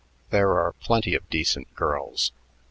"There are plenty of decent girls.